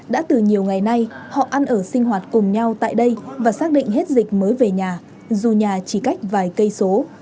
đã từ nhiều ngày nay họ ăn ở sinh hoạt cùng nhau tại đây và xác định hết dịch mới về nhà dù nhà chỉ cách vài cây số